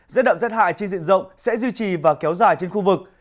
giết đậm giết hại trên diện rộng sẽ duy trì và kéo dài trên khu vực